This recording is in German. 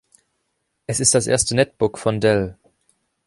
Es ist das erste Netbook von Dell.